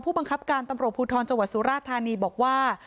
บังคับการตำรวจภูทรจังหวัดสุราธานีบอกว่า